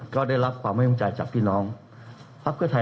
ก็ได้รับความภาคภูมิใจจากพี่น้องภาคเครือไทย